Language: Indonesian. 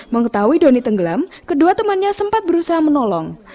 mengetahui doni tenggelam kedua temannya sempat berusaha menolong